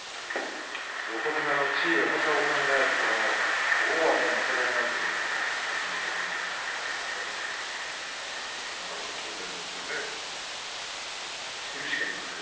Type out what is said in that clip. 横綱の地位、重さを考えると今日はもう負けられないということになります。